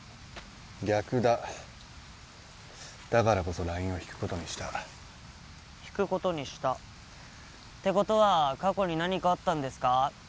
逆だだからこそラインを引くことにした引くことにしたってことは過去に何かあったんですか？